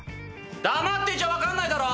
黙ってちゃ分かんないだろ！